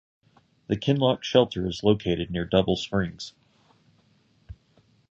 The Kinlock Shelter is located near Double Springs.